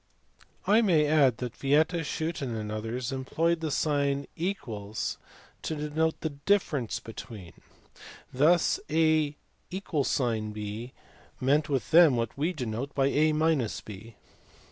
I may add that Yieta, Schooten, and others employed the sign ~ to denote the difference between ; thus a = b means with them what we denote by a b.